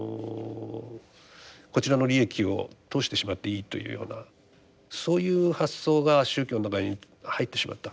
こちらの利益を通してしまっていいというようなそういう発想が宗教の中に入ってしまった。